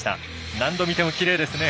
何度見てもきれいですね。